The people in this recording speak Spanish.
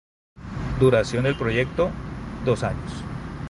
Duración del proyecto: dos años.